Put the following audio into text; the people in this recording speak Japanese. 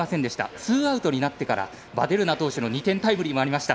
ツーアウトになってからヴァデルナ投手の２点タイムリーもありました。